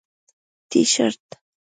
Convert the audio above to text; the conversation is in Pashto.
👕 تیشرت